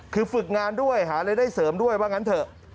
คือฝึกงานด้วยหารายได้เสริมด้วยว่างั้นเถอะ